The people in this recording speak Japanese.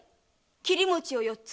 切り餅を四つ。